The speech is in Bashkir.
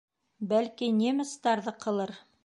Бәлки, немецтарҙыҡылыр.